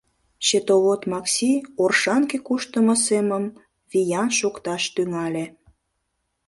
Счетовод Макси Оршанке куштымо семым виян шокташ тӱҥале.